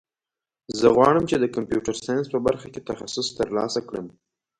زه غواړم چې د کمپیوټر ساینس په برخه کې تخصص ترلاسه کړم